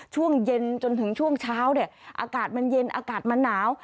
ช่วงเย็นจนถึงช่วงเช้าเนี่ยอากาศมันเย็นอากาศมันหนาว